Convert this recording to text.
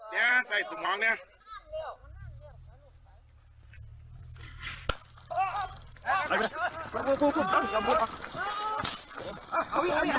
เนี้ยใส่สุดมองเนี้ย